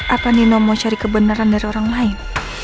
apa nino mau cari kebenaran dari orang lain